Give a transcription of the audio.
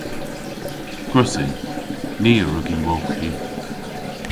Gwrussyn. Ni a wrug y wolghi.